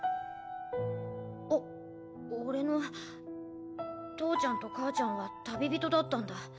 お俺の父ちゃんと母ちゃんは旅人だったんだ。